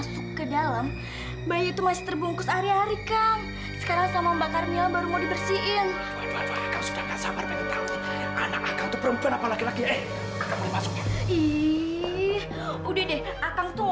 sampai jumpa di video selanjutnya